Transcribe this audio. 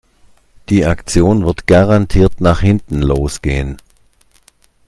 Die Aktion wird garantiert nach hinten los gehen.